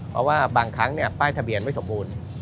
เพราะว่าบางครั้งป้ายทะเบียนไม่สมบูรณ์